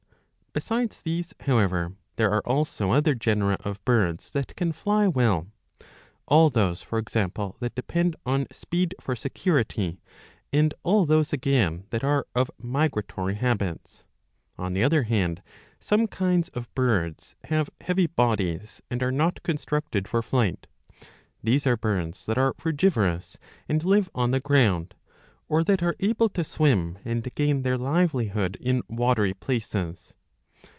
Besides these, however, there are also other genera of birds that can fly well ; all those, for example, that depend on speed for security, and all those again that are of migratory habits. On the other hand some kinds of birds have heavy bodies and are not constructed for flight. These are birds that are frugivorous and live on the ground, or that are able to swim and gain their livelihood in watery places.